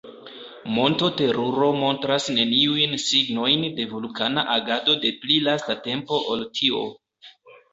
Monto Teruro montras neniujn signojn de vulkana agado de pli lasta tempo ol tio.